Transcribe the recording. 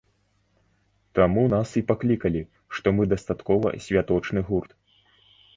Таму нас і паклікалі, што мы дастаткова святочны гурт.